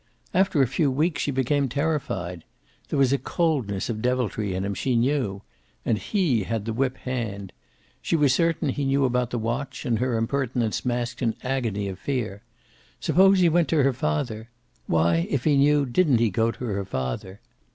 After a few weeks she became terrified. There was a coldness of deviltry in him, she knew. And he had the whip hand. She was certain he knew about the watch, and her impertinence masked an agony of fear. Suppose he went to her father? Why, if he knew, didn't he go to her father?